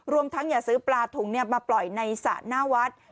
ทั้งอย่าซื้อปลาถุงมาปล่อยในสระหน้าวัด